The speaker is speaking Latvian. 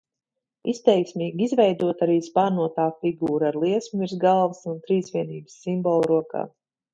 Izteiksmīgi izveidota arī spārnotā figūra ar liesmu virs galvas un Trīsvienības simbolu rokā.